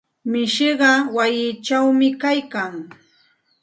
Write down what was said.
Mishiqa wayichawmi kaykan.